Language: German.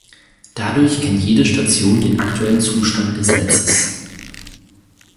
Dadurch kennt jede Station den aktuellen Zustand des Netzes.